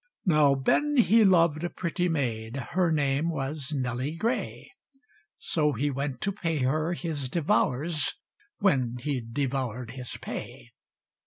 Now Ben he loved a pretty maid, Her name was Nelly Gray; So he went to pay her his devours, When he'd devour'd his pay!